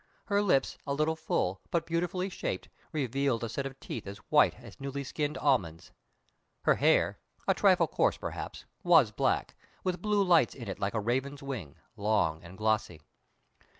Her lips, a little full, but beautifully shaped, revealed a set of teeth as white as newly skinned almonds. Her hair a trifle coarse, perhaps was black, with blue lights on it like a raven's wing, long and glossy.